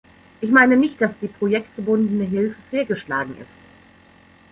Ich meine nicht, dass die projektgebundene Hilfe fehlgeschlagen ist.